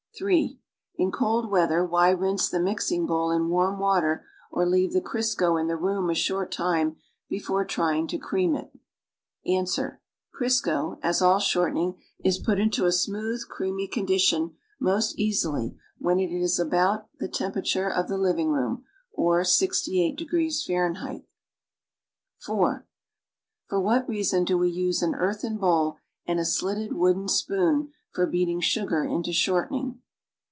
(3) In cold weather, wliy rinse tlie mixing bowl in warm water or leave the Crisro in the room a short time before trying to cream it? .Vns. Crisco, as all shortening, is put into a smooth, creamy con dition most easily, when it is at about the temperature of the living r')om, or 0S° F. (4) For \^ hat reason do we use an earthen bowl and a, slitted wooden spoon for beating sugar into shortening?